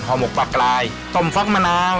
หมกปลากลายต้มฟักมะนาว